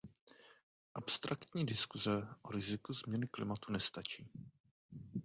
Abstraktní diskuse o riziku změny klimatu nestačí.